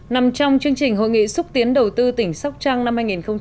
nằm trong chương trình hội nghị xúc tiến đầu tư tỉnh sóc trăng năm hai nghìn một mươi tám